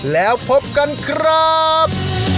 แล้วพบกันครับ